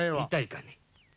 痛いかね？」